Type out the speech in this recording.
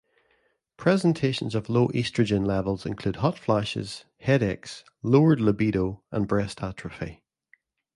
Presentations of low estrogen levels include hot flashes, headaches, lowered libido, and breast atrophy.